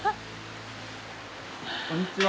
こんにちは。